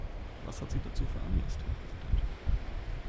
Was hat Sie dazu veranlasst, Herr Präsident?